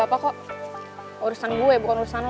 gaapa kok urusan gue bukan urusan lo